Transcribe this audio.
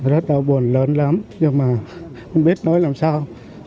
rất đau buồn lớn lắm nhưng mà không biết nói làm sao